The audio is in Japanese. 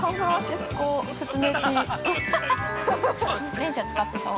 ◆恋ちゃん、使ってそう。